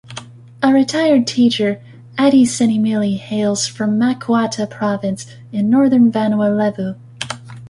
A retired teacher, Adi Senimili hails from Macuata Province in northern Vanua Levu.